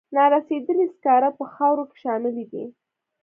نارسیدلي سکاره په خاورو کې شاملې دي.